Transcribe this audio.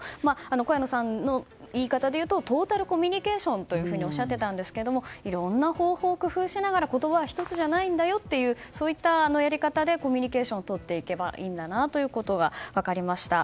小谷野さんの言い方でいうとトータルコミュニケーションとおっしゃっていたんですけれどもいろんな方法を工夫しながら言葉は１つじゃないんだよとそういったやり方でコミュニケーションをとっていけばいいんだなということが分かりました。